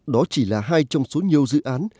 đó chỉ là hai trong số nhiều dự án